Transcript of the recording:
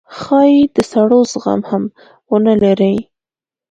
ښايي د سړو زغم هم ونه لرئ